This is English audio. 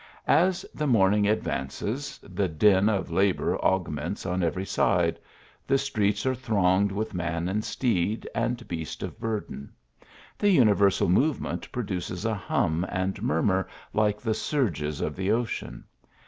As the morning advances, the din of labour aug ments on every side ; the streets are thronged with THE BALCONY, 77 nan and steed, and beast of burden ; the universal movement produces a hum and murmur like the surges of the ocean.